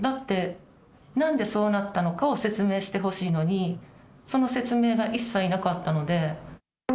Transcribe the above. だって、なんでそうなったのかを説明してほしいのに、その説明が一切なかったので。